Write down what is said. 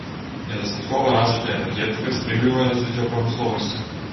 Недастаткова развітая энергетыка стрымлівае развіццё прамысловасці.